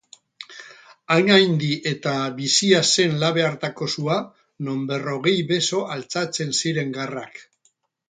Hain handi eta bizia zen labe hartako sua, non berrogei beso altxatzen ziren garrak.